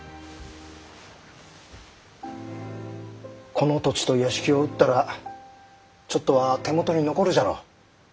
この土地と屋敷を売ったらちょっとは手元に残るじゃろう。